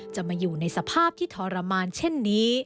จะมาอยู่ในสภาพที่ทรมานเช่นนี้